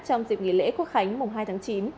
trong dịp nghỉ lễ quốc khánh mùng hai tháng chín